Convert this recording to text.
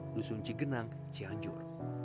dusun cigenang cianjur